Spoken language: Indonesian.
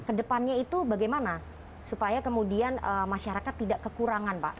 kedepannya itu bagaimana supaya kemudian masyarakat tidak kekurangan pak